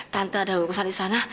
tante ada urusan di sana